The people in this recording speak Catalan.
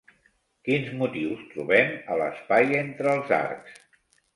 Quins motius trobem a l'espai entre els arcs?